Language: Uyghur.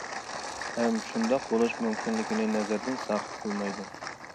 ھەم شۇنداق بولۇش مۇمكىنلىكىنى نەزەردىن ساقىت قىلمايدۇ.